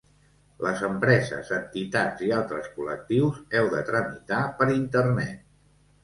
Les empreses, entitats i altres col·lectius heu de tramitar per internet.